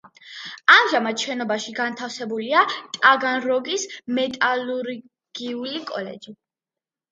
ამჟამად შენობაში განთავსებულია ტაგანროგის მეტალურგიული კოლეჯი.